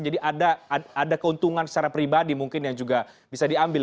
jadi ada keuntungan secara pribadi mungkin yang juga bisa diambil